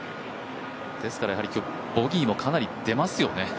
ですから、今日、ボギーもかなり出ますよね。